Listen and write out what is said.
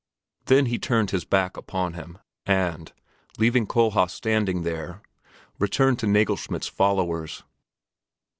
Then he turned his back upon him and, leaving Kohlhaas standing there, returned to Nagelschmidt's followers.